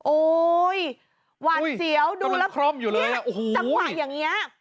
โอ้ยหวานเสียวดูแล้วเหี้ยจังหวะอย่างเงี้ย